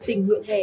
tình nguyện hè